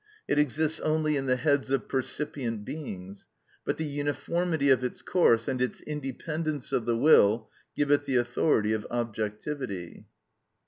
It exists only in the heads of percipient beings, but the uniformity of its course and its independence of the will give it the authority of objectivity.